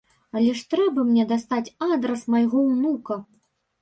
Але ж трэба мне дастаць адрас майго ўнука!